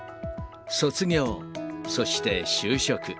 卒業、そして就職。